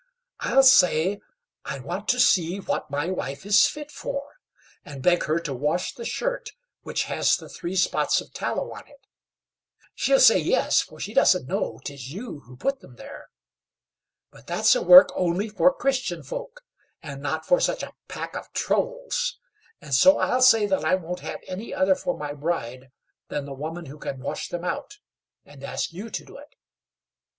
I'll say I want to see what my wife is fit for, and beg her to wash the shirt which has the three spots of tallow on it; she'll say yes, for she doesn't know 'tis you who put them there; but that's a work only for Christian folk, and not for such a pack of Trolls, and so I'll say that I won't have any other for my bride than the woman who can wash them out, and ask you to do it."